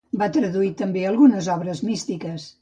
Va traduir també algunes obres místiques.